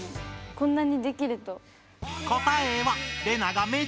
こんなにできると。